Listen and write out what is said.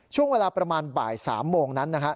ช่วงเวลาประมาณบ่าย๓โมงนั้นนะฮะ